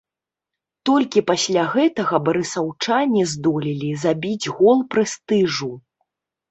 Толькі пасля гэтага барысаўчане здолелі забіць гол прэстыжу.